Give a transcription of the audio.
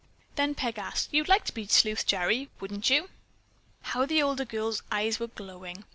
Then Peg asked: "You'd like to be Sleuth Gerry, wouldn't you?" How the older girl's eyes were glowing!